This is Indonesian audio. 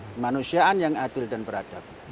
kemanusiaan yang adil dan beradab